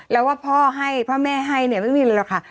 แล้วว่าพ่อให้พ่อแม่ให้เนี่ยไม่มีหรอกค่ะ